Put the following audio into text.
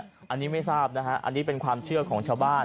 อันนี้ไม่ทราบนะฮะอันนี้เป็นความเชื่อของชาวบ้าน